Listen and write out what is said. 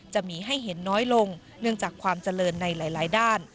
จะมีให้เห็นน้อยลงเนื่องจากความเจริญในหลายด้าน